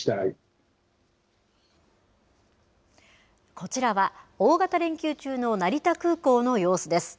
こちらは、大型連休中の成田空港の様子です。